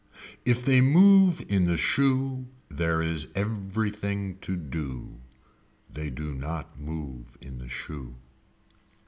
If they move in the shoe there is everything to do. They do not move in the shoe.